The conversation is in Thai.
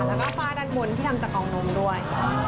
แล้วก็ฝ้าด้านบนที่ทำจากกองนมด้วย